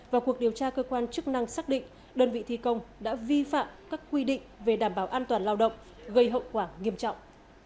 vào cuộc điều tra cơ quan chức năng xác định đơn vị thi công đã vi phạm các quy định về đảm bảo an toàn lao động gây hậu quả nghiêm trọng